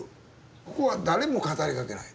ここは誰も語りかけない。